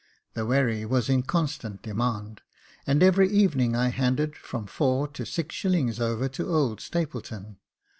The wherry 246 Jacob Faithful was in constant demand, and every evening I handed from four to six shillings over to old Stapleton.